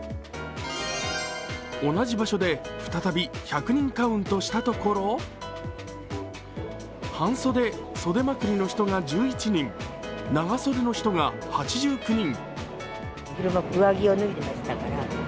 同じ場所で再び１００人カウントしたところ半袖・袖まくりの人が１１人長袖の人が８９人。